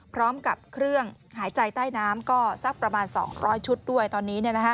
พร้อมกับเครื่องหายใจใต้น้ำก็สักประมาณ๒๐๐ชุดด้วยตอนนี้